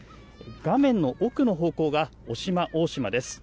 画面の奥の方向が渡島大島です。